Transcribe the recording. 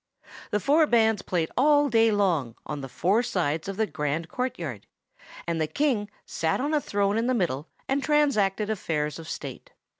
The four bands played all day long on the four sides of the grand courtyard, and the king sat on a throne in the middle and transacted affairs of state.